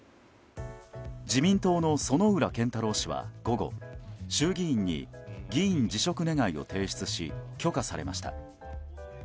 自民党の薗浦健太郎氏は午後衆議院に議員辞職願を提出し許可されました。